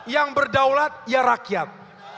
yang berdaulat ya rakyat